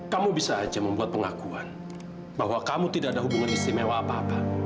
kamu bisa saja membuat pengakuan bahwa kamu tidak ada hubungan istimewa apa apa